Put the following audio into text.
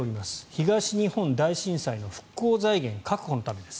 東日本大震災の復興財源確保のためです。